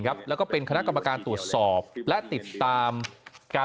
ครับแล้วก็เป็นคณะกรรมการตรวจสอบและติดตามการ